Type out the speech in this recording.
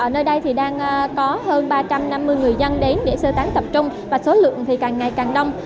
nơi đây thì đang có hơn ba trăm năm mươi người dân đến để sơ tán tập trung và số lượng thì càng ngày càng đông